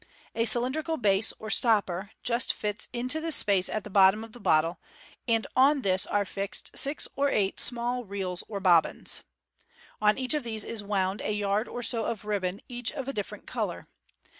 A cylin drical base or stopper (see Fig. 20S) just fits into the space at the bottom of the bottle, and on this are fixed six or eight small reels or bobbins. On each of these is wound a yard or so of ribbon, each of a different colour.